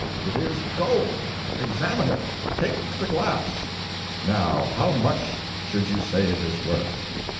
"It is gold. Examine it take the glass. Now how much should you say it is worth?"